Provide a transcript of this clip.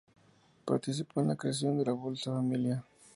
Participó de la creación de la Bolsa Familia.